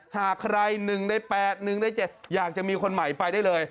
หากใครหนึ่งได้แปดหนึ่งได้เจ็ดอยากจะมีคนใหม่ไปได้เลย